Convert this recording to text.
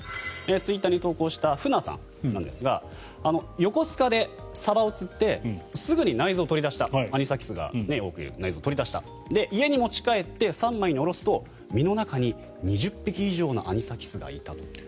ツイッターに投稿したＦＵＮＡさんですが横須賀で魚を釣ってアニサキスが多くいる内臓をすぐに取り出した家に持ち帰って三枚に下ろすと身の中に２０匹以上のアニサキスがいたと。